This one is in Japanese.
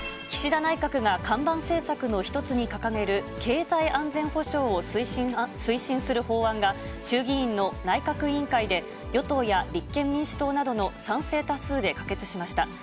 岸田内閣が看板政策の一つに掲げる経済安全保障を推進する法案が、衆議院の内閣委員会で、与党や立憲民主党などの賛成多数で可決しました。